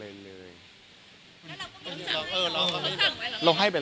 เป็นอะไรยังไงครับ